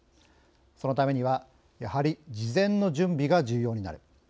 そのためにはやはり事前の準備が重要になる。